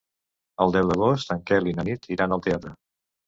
El deu d'agost en Quel i na Nit iran al teatre.